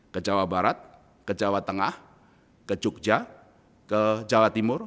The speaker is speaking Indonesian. ke jawa barat ke jawa tengah ke jogja ke jawa timur